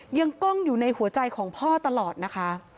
ก้องอยู่ในหัวใจของพ่อตลอดนะคะ